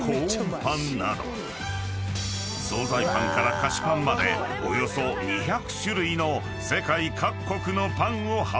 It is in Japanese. ［総菜パンから菓子パンまでおよそ２００種類の世界各国のパンを販売］